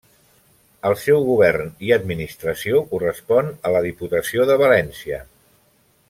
El seu govern i administració correspon a la Diputació de València.